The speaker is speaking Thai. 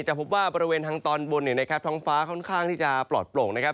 พบว่าบริเวณทางตอนบนเนี่ยนะครับท้องฟ้าค่อนข้างที่จะปลอดโปร่งนะครับ